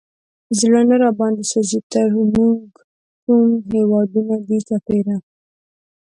زړه نه راباندې سوزي، چې تر مونږ کوم هېوادونه دي چاپېره